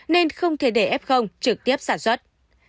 nên không thể để f trực tiếp sản xuất